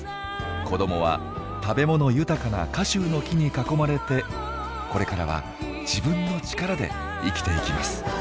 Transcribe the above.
子どもは食べ物豊かなカシューノキに囲まれてこれからは自分の力で生きていきます。